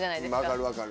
分かる分かる。